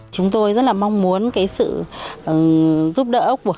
chúng tôi rất là mong muốn sự giúp đỡ của các cơ quan